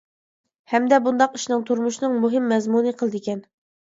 ھەمدە بۇنداق ئىشنىڭ تۇرمۇشنىڭ مۇھىم مەزمۇنى قىلىدىكەن.